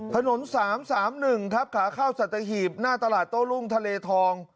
ถนน๓๓๑ครับขาเข้าสัตหีบหน้าตลาดโต้รุ่งทะเลทอง